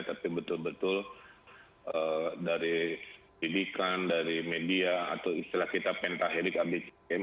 tapi betul betul dari pilihan dari media atau istilah kita pentahirik abcm